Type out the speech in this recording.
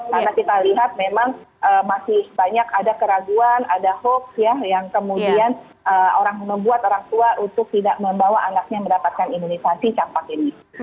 karena kita lihat memang masih banyak ada keraguan ada hoax yang kemudian orang membuat orang tua untuk tidak membawa anaknya mendapatkan imunisasi campak ini